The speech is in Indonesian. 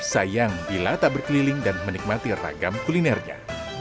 sayang bila tak berkeliling dan menikmati ragam kulinernya